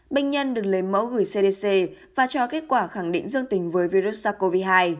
bệnh nhân được lấy mẫu gửi cdc và cho kết quả khẳng định dương tình với virus sars cov hai